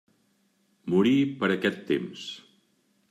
Morí per aquest temps.